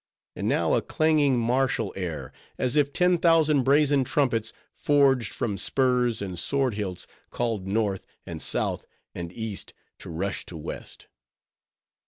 And now a clanging, martial air, as if ten thousand brazen trumpets, forged from spurs and swordhilts, called North, and South, and East, to rush to West!